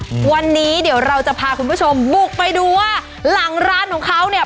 วันนี้เดี๋ยวเราจะพาคุณผู้ชมบุกไปดูว่าหลังร้านของเขาเนี่ย